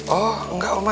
oh enggak oma